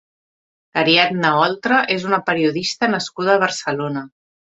Ariadna Oltra és una periodista nascuda a Barcelona.